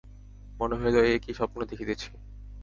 মনে হইল, এ কি স্বপ্ন দেখিতেছি।